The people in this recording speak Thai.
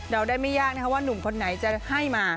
เดาได้ไม่ยากว่าหนุ่มคนไหนจะให้มา